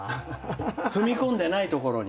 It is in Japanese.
踏み込んでないところに。